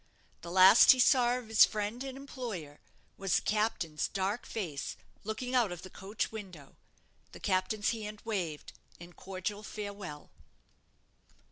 The last he saw of his friend and employer was the captain's dark face looking out of the coach window; the captain's hand waved in cordial farewell.